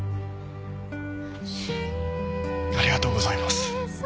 ありがとうございます。